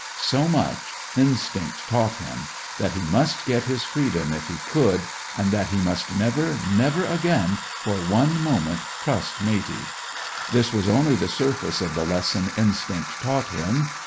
So much, instinct taught him: that he must get his freedom if he could, and that he must never, never again, for one moment, trust Matey. This was only the surface of the lesson instinct taught him.